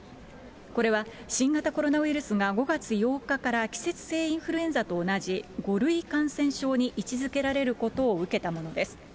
これは新型コロナウイルスが５月８日から季節性インフルエンザと同じ５類感染症に位置づけられることを受けたものです。